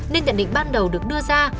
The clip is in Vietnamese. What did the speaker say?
nên nhận định ban đầu được đưa ra